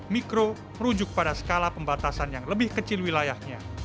mikro merujuk pada skala pembatasan yang lebih kecil wilayahnya